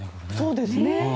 そうですね。